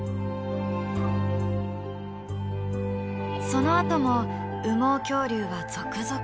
そのあとも羽毛恐竜は続々発見。